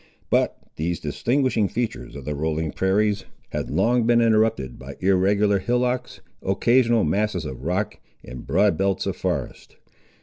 But these distinguishing features of the rolling prairies had long been interrupted by irregular hillocks, occasional masses of rock, and broad belts of forest.